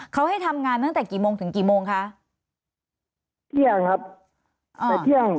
เขาให้ทำงานตั้งแต่กี่โมงถึงกี่โมงคะเที่ยงครับอ่าแต่เที่ยง